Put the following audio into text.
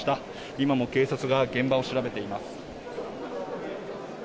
今も警察が現場を調べています。